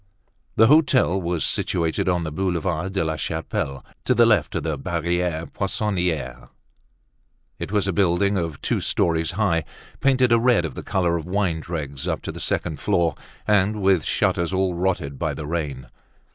The hotel was situated on the Boulevard de la Chapelle, to the left of the Barriere Poissonniere. It was a building of two stories high, painted a red, of the color of wine dregs, up to the second floor, and with shutters all rotted by the rain.